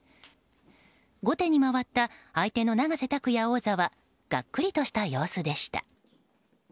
後手に回った相手の永瀬拓矢王座はがっくりとした様子でした。